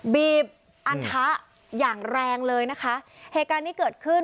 บีบอันทะอย่างแรงเลยนะคะเหตุการณ์ที่เกิดขึ้น